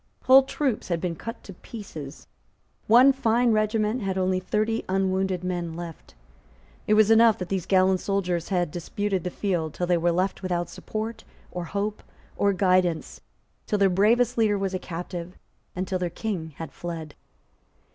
Whole troops had been cut to pieces. One fine regiment had only thirty unwounded men left. It was enough that these gallant soldiers had disputed the field till they were left without support, or hope, or guidance, till their bravest leader was a captive, and till their King had fled.